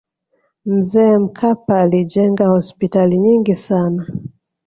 mzee mkapa alijenga hospitali nyingi sana